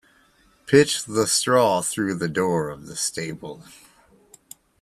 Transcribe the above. Pitch the straw through the door of the stable.